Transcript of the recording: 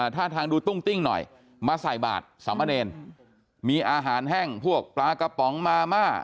ท่าทางดูตุ้งติ้งหน่อยมาใส่บาทสามเณรมีอาหารแห้งพวกปลากระป๋องมาม่า